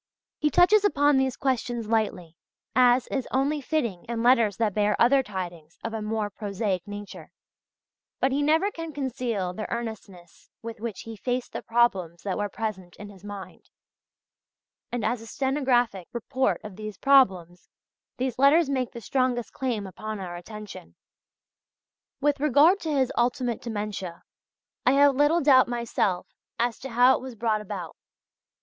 He touches upon these questions lightly, as is only fitting in letters that bear other tidings of a more prosaic nature, but he never can conceal the earnestness with which he faced the problems that were present in his mind, and as a stenographic report of these problems these letters make the strongest claim upon our attention. With regard to his ultimate dementia, I have little doubt myself as to how it was brought about.